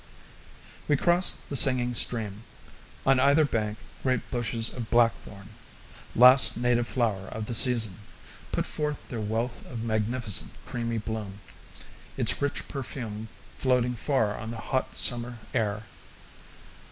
We crossed the singing stream: on either bank great bushes of blackthorn last native flower of the season put forth their wealth of magnificent creamy bloom, its rich perfume floating far on the hot summer air.